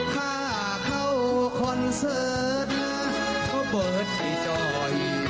ถ้าเขาคอนเสิร์ตเขาเบิดให้จ่อย